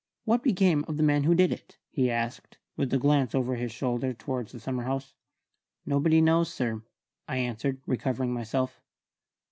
What became of the man who did it?" he asked, with a glance over his shoulder towards the summer house. "Nobody knows, sir," I answered, recovering myself.